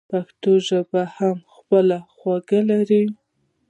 پښتو ژبه هم خپله خوږه لري.